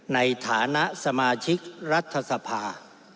ในฐานะสมาชิกรัฐสภา